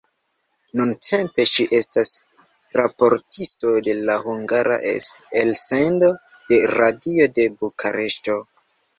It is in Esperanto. Nuntempe ŝi estas raportisto de la hungara elsendo de radio de Bukareŝto.